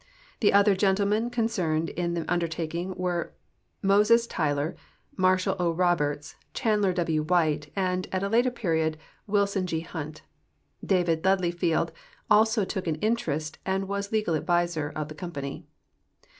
The other gentlemen concerned in the un dertaking AA'ere INIoses TaAdor, Marshall 0. Roberts, Chandler \\'. MTiite, and, at a later period, Wilson G. Hunt. DaA'id Dudley Field also took an interest and Avas legal adAusor of the company.